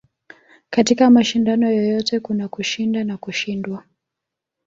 katika mashindano yoyote kuna kushinda na kushindwa